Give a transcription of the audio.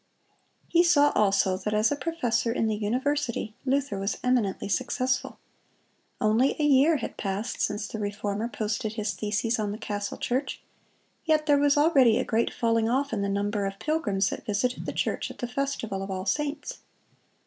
He saw also that as a professor in the university Luther was eminently successful. Only a year had passed since the Reformer posted his theses on the castle church, yet there was already a great falling off in the number of pilgrims that visited the church at the festival of All Saints.